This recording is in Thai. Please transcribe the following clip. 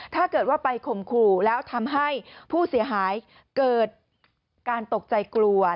ถ้าเกิดว่าไปข่มขู่แล้วทำให้ผู้เสียหายเกิดการตกใจกลัว